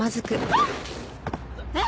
あっえっ？